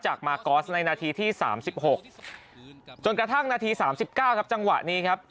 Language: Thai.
มากอสในนาทีที่๓๖จนกระทั่งนาที๓๙ครับจังหวะนี้ครับ